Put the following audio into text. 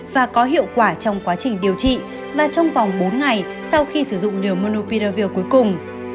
và có hiệu quả trong quá trình điều trị mà trong vòng bốn ngày sau khi sử dụng liều mnupiravir cuối cùng